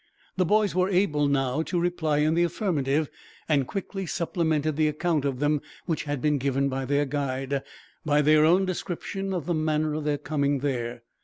The boys were able, now, to reply in the affirmative; and quickly supplemented the account of them, which had been given by their guide, by their own description of the manner of their coming there.